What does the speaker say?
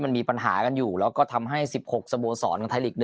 มันมีปัญหากันอยู่แล้วก็ทำให้๑๖สโมสรของไทยลีก๑